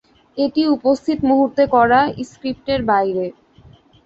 এটি উপস্থিত মুহূর্তে করা, স্ক্রিপ্টের বাইরে।